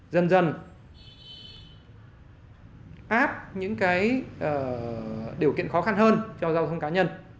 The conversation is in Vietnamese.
dần dần áp những điều kiện khó khăn hơn cho giao thông cá nhân